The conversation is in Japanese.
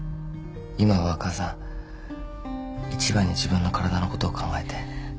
今は母さん一番に自分の体のことを考えて。